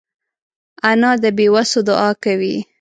انا د بېوسو دعا کوي